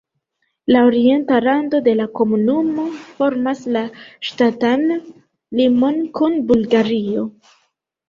La orienta rando de la komunumo formas la ŝtatan limon kun Bulgario.